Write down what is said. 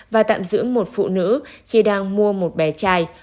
và tạm giữ một phụ nữ khi đang mua một bé trai